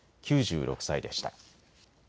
９６歳でした。